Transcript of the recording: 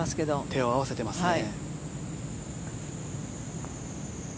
手を合わせてますね。